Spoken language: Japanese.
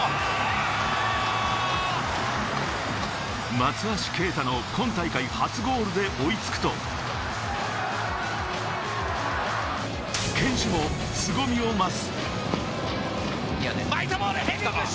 松橋啓太の今大会初ゴールで追いつくと、堅守もすごみを増す。